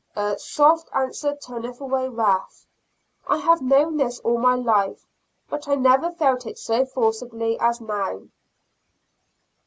"A soft answer turneth away wrath;" I have known this all my life, but I never felt it so forcibly as now.